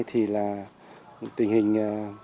thì là tình hình